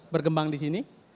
berkembang di sini